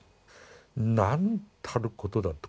なんたることだと。